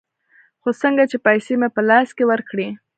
خو څنگه چې پيسې مې په لاس کښې ورکړې.